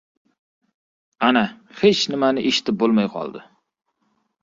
Ana, hech nimani eshitib bo‘lmay qoldi.